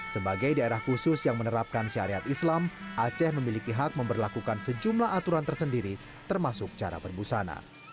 sebagai daerah khusus yang menerapkan syariat islam aceh memiliki hak memperlakukan sejumlah aturan tersendiri termasuk cara berbusana